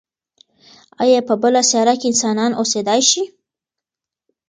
ایا په بله سیاره کې انسانان اوسېدای شي؟